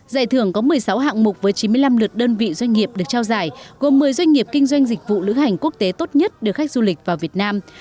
giải thưởng có một mươi sáu hạng mục với chín mươi năm lượt đơn vị doanh nghiệp được trao giải gồm một mươi doanh nghiệp kinh doanh dịch vụ lữ hành quốc tế tốt nhất được khách du lịch vào việt nam